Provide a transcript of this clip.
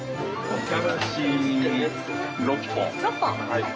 ６本。